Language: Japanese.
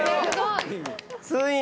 ついに！